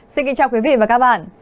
xin kính chào quý vị và các bạn